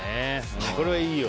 これ、いいよ。